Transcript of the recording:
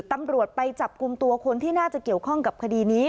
ตำรวจไปจับกลุ่มตัวคนที่น่าจะเกี่ยวข้องกับคดีนี้